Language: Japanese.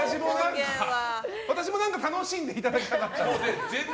私も、何か楽しんでいただきたかった。